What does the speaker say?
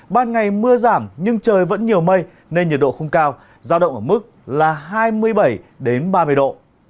ban ngày mưa giảm nhưng trời vẫn nhiều mây nên nhiệt độ không cao giao động ở mức là hai mươi bảy ba mươi độ